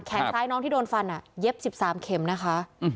ซ้ายน้องที่โดนฟันเย็บ๑๓เข็มนะคะ